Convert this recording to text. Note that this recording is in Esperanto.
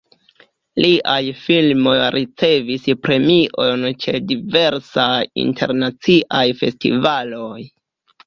Liaj filmoj ricevis premiojn ĉe diversaj internaciaj festivaloj.